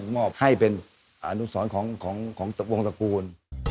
มอบให้เป็นอนุสรของวงตระกูล